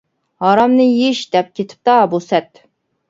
ھارامنى يېيىش دەپ كېتىپتا بۇ سەت.